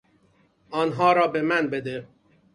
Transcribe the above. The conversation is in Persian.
آنها را به من بده.